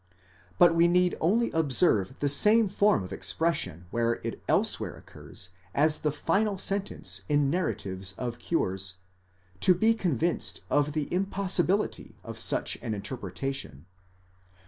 But we need only observe the same form of expression where it elsewhere occurs as the final sentence in narratives of cures, to be convinced of the impossibility of such an interpretation.